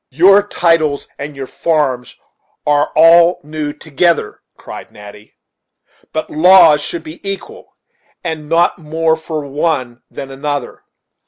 "Your titles and your farms are all new together," cried Natty; "but laws should be equal, and not more for one than another.